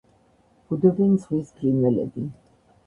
ბუდობენ ზღვის ფრინველები.